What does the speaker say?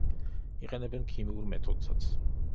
იყენებენ ქიმიურ მეთოდსაც.